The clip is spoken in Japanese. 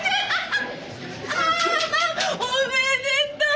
ああおめでとう！